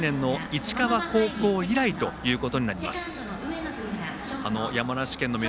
１９９１年の市川高校以来ということになります。